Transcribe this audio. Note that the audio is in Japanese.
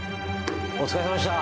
お疲れさまでした。